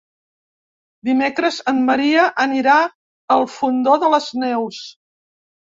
Dimecres en Maria anirà al Fondó de les Neus.